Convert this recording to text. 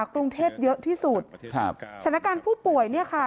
กรุงเทพเยอะที่สุดครับสถานการณ์ผู้ป่วยเนี่ยค่ะ